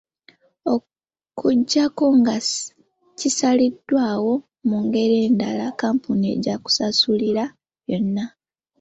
Okuggyako nga kisaliddwawo mu ngeri endala, Kkampuni ejja kusasulira byonna.